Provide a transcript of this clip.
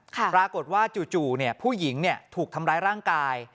ปรากฏว่าจู่ผู้หญิงถูกทำร้ายร่างกาย